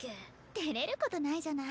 てれることないじゃない。